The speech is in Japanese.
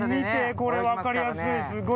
これわかりやすい。